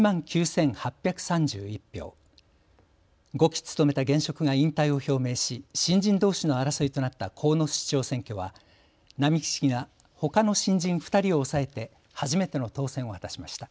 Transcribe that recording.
５期務めた現職が引退を表明し新人どうしの争いとなった鴻巣市長選挙は並木氏がほかの新人２人を抑えて初めての当選を果たしました。